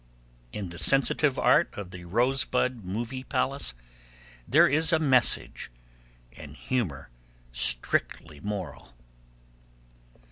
In the sensitive art of the Rosebud Movie Palace there is a Message, and humor strictly moral.